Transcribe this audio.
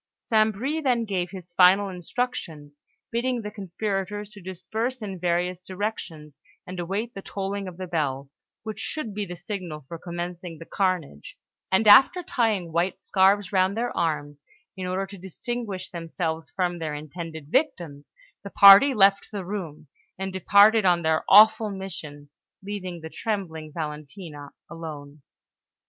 St. Bris then gave his final instructions, bidding the conspirators to disperse in various directions and await the tolling of the bell, which should be the signal for commencing the carnage; and after tying white scarves round their arms, in order to distinguish themselves from their intended victims, the party left the room and departed on their awful mission, leaving the trembling Valentina alone.